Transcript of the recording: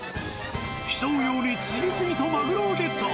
競うように次々とマグロをゲット。